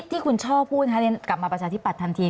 ที่คุณช่อพูดกลับมาประชาธิปัตทันที